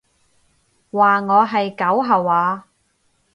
話我係狗吓話？